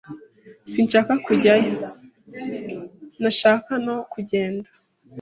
Sinshaka kujyayo. Ntashaka no kugenda.